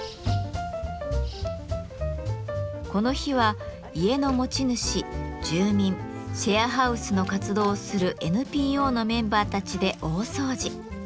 この日は家の持ち主住民シェアハウスの活動をするＮＰＯのメンバーたちで大掃除。